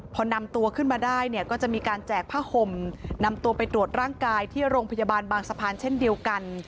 พอนำตัวขึ้นมาได้เนี่ยก็จะมีการแจกผ้าห่มนำตัวไปตรวจร่างกายที่โรงพยาบาลบางสะพานเช่นเดียวกัน